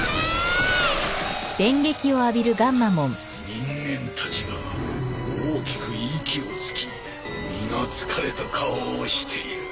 人間たちは大きく息をつき皆疲れた顔をしている。